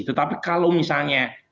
tetapi kalau misalnya